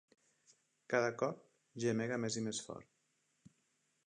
Cada cop gemega més i més fort.